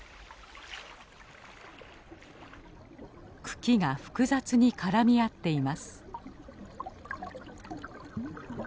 茎が複雑に絡み合っています。